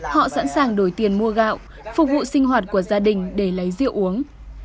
họ sẵn sàng đổi tiền mua gạo phục vụ sinh hoạt của gia đình để lấy rượu uống